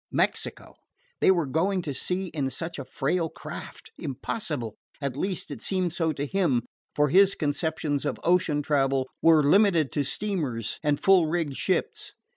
Mexico! They were going to sea in such a frail craft! Impossible! At least, it seemed so to him, for his conceptions of ocean travel were limited to steamers and full rigged ships.